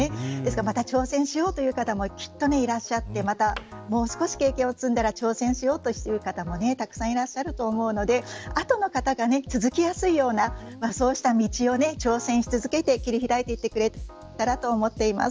また挑戦しようという方もきっといらっしゃってもう少し経験を積んだら挑戦しようという方もたくさんいると思うので後の方が続きやすいような道を切り開いていってくれたらなと思います。